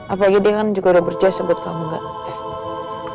apalagi dia kan juga udah berjasa buat kamu gak